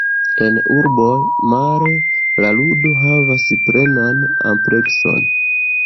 En urboj, male, la ludo havas plenan amplekson.